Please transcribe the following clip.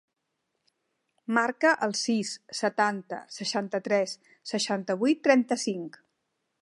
Marca el sis, setanta, seixanta-tres, seixanta-vuit, trenta-cinc.